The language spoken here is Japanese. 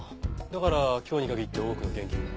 だから今日に限って多くの現金が？